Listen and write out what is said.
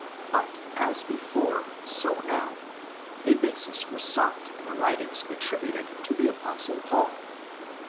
But as before, so now, a basis was sought in the writings attributed to the Apostle Paul.